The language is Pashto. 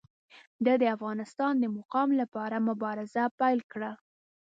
ده د افغانستان د مقام لپاره مبارزه پیل کړه.